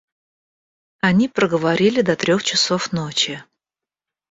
Они проговорили до трех часов ночи.